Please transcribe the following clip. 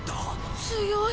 強い。